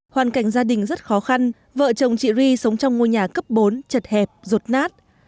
hoàn cảnh gia đình rất khó khăn vợ chồng chị ri sống trong ngôi nhà cấp bốn chật hẹp rột nát